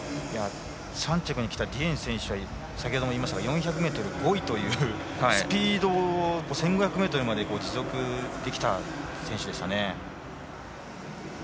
３着にきたディエン選手は先ほども言いましたが４００ｍで５位というスピードを１５００ｍまで持続できた選手でしたね。